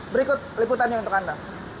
berikut liputannya untuk anda